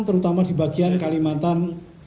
terutama di bagian kalimantan